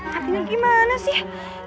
matinya gimana sih